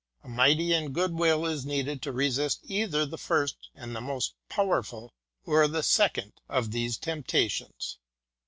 A mighty and good will is needed to resist either the first and most powerful, "br the second, of these tempta tions.